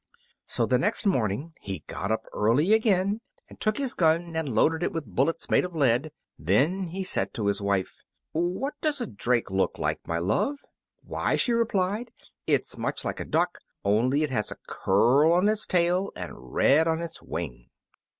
So the next morning he got up early again, and took his gun, and loaded it with bullets made of lead. Then he said to his wife, "What does a drake look like, my love?" "Why," she replied, "it's much like a duck, only it has a curl on its tail and red on its wing."